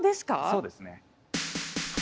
そうですね。